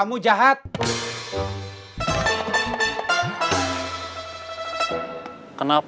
ujang sama cecep